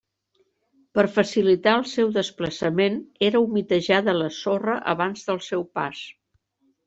Per facilitar el seu desplaçament, era humitejada la sorra abans del seu pas.